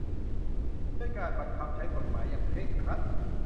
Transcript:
ด้วยการบังคับใช้กฎหมายอย่างเคร่งครัด